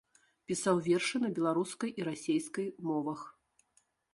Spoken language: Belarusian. Пісаў вершы на беларускай і расейскай мовах.